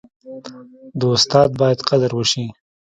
د استاد باید قدر وسي.